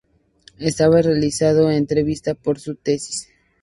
Estaba realizando entrevistas para su tesis.